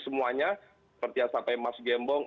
semuanya seperti yang sampai mas gembong